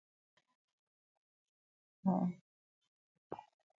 As early as Hegel, however, his standard role was beginning to be questioned.